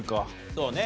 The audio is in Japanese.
そうね。